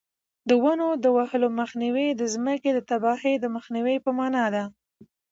د ونو د وهلو مخنیوی د ځمکې د تباهۍ د مخنیوي په مانا دی.